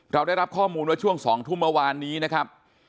เราได้รับข้อมูลว่าช่วง๒ทุ่มเมื่อวานนี้นะครับ